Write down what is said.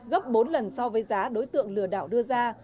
gấp bốn lần so với giá đối tượng lừa đảo đưa ra